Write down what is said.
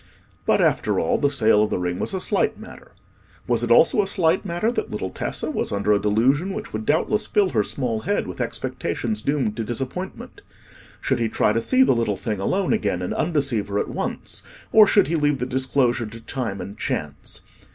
But, after all, the sale of the ring was a slight matter. Was it also a slight matter that little Tessa was under a delusion which would doubtless fill her small head with expectations doomed to disappointment? Should he try to see the little thing alone again and undeceive her at once, or should he leave the disclosure to time and chance?